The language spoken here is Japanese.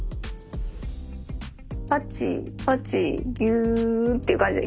パチパチギュッていう感じで。